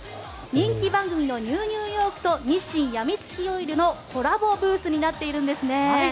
人気番組の「ＮＥＷニューヨーク」と日清やみつきオイルのコラボブースになっているんです。